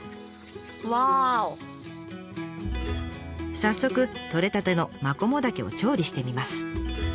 早速取れたてのマコモダケを調理してみます。